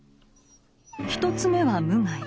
１つ目は無害。